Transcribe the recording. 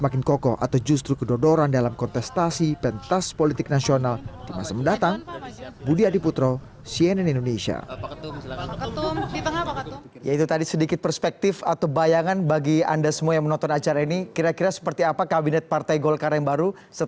gimanapun mereka orang golkar